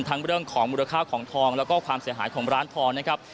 เรื่องของมูลค่าของทองแล้วก็ความเสียหายของร้านทองนะครับ